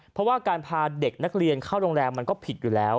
เพราะว่าการพาเด็กนักเรียนเข้าโรงแรมมันก็ผิดอยู่แล้ว